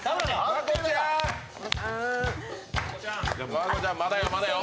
真子ちゃん、まだよ、まだよ。